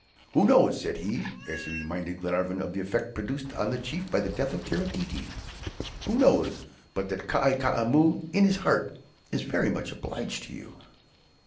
"Who knows," said he, as he reminded Glenarvan of the effect produced on the chief by the death of Kara Tete "who knows but that Kai Koumou, in his heart, is very much obliged to you?"